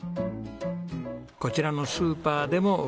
こちらのスーパーでもお買い物です。